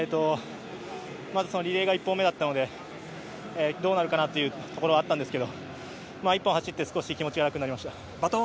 まずリレーが１本目だったのでどうなるかなというところはあったんですけど１本走って少し気持ちが楽になりました。